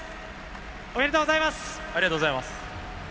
おめでとうございます。